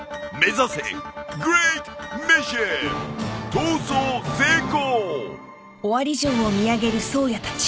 ［逃走成功！］